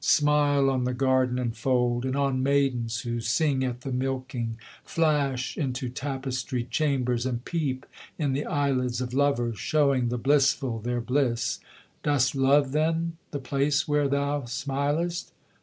Smile on the garden and fold, and on maidens who sing at the milking; Flash into tapestried chambers, and peep in the eyelids of lovers, Showing the blissful their bliss Dost love, then, the place where thou smilest?